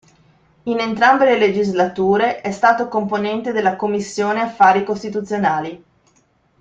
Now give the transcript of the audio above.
In entrambe le legislature è stato componente della Commissione affari costituzionali.